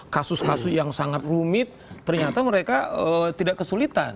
kasus kasus yang sangat rumit ternyata mereka tidak kesulitan